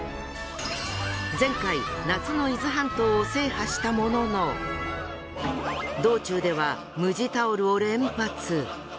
前回夏の伊豆半島を制覇したものの道中では無地タオルを連発。